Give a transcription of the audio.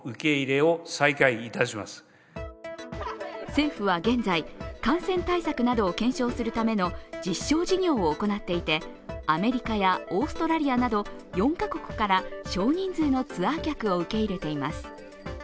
政府は現在、感染対策などを検証するための実証事業を行っていてアメリカやオーストラリアなど４カ国から少人数のツアー客を受け入れています。